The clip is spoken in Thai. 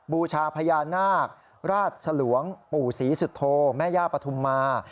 บูชาพญานาคราชสลวงปู่ศรีสุโธแม่ย่าปฐุมมา